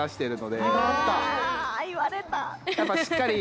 あいわれた。